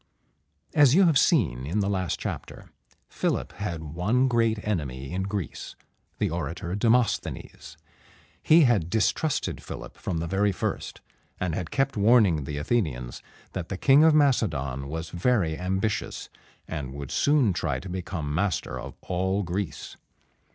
As you have seen in the last chapter, Philip had one great enemy in Greece, the orator Demosthenes. He had distrusted Philip from the very first, and had kept warning the Athenians that the King of Macedon was very ambitious, and would soon try to become master of all Greece.